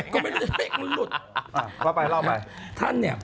ก็ไม่ได้ช่วยพอไปเล่าไป